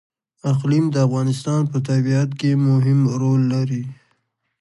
اقلیم د افغانستان په طبیعت کې مهم رول لري.